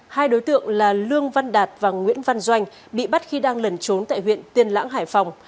hai đối tượng là lương văn đạt và nguyễn văn doanh bị bắt khi đang lẩn trốn tại huyện tiên lãng hải phòng